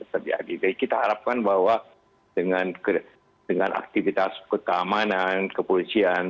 jadi kita harapkan bahwa dengan aktivitas ketamanan kepolisian